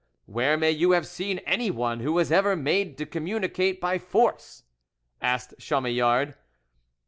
"Where may you have seen anyone who was ever made to communicate by force?" asked Chamillard.